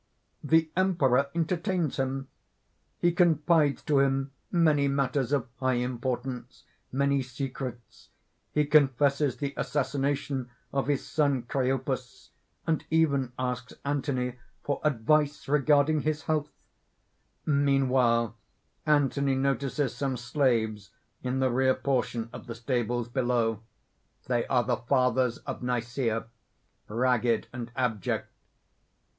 _ _The Emperor entertains him. He confides to him many matters of high importance, many secrets; he confesses the assassination of his son Criopus, and even asks Anthony for advice regarding his health._ _Meanwhile Anthony notices some slaves in the rear portion of the stables below. They are the Fathers of Nicæa, ragged and abject.